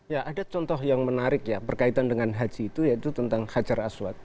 ya ada contoh yang menarik ya berkaitan dengan haji itu yaitu tentang hajar aswad